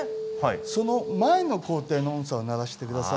その前の工程の音さを鳴らしてください。